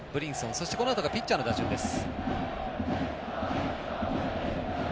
そして、このあとがピッチャーの打順です。